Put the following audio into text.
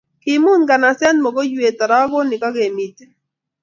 Kiimut nganaset mokoiywet, tarakonik ak emitik